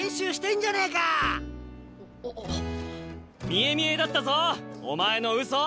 見え見えだったぞお前のうそ！